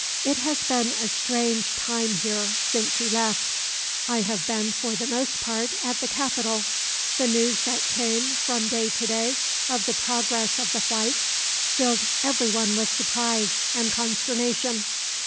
"It has been a strange time here, since you left. I have been, for the most part, at the capital. The news that came, from day to day, of the progress of the whites filled everyone with surprise, and consternation.